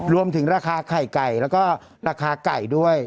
รวมถึงราคาไข่ไก่แล้วก็ราคาไก่ด้วย